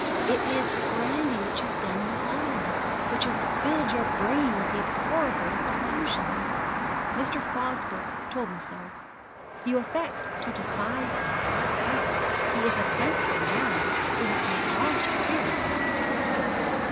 It is brandy which has done you harm, which has filled your brain with these horrible delusions. Mr. Fosbroke told me so. You affect to despise him; but he is a sensible man who has had large experience.'